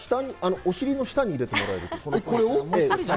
お尻の下に入れてもらえれば。